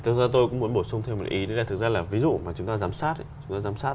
thực ra tôi cũng muốn bổ sung thêm một cái ý đó là thực ra là ví dụ mà chúng ta giám sát